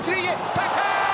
高い！